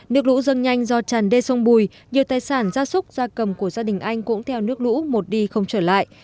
nước lũ dâng nhanh do tràn đê sông bùi nhiều tài sản gia súc gia cầm của gia đình anh cũng theo nước lũ một đi không trở lại